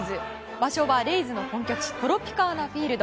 場所はレイズの本拠地トロピカーナ・フィールド。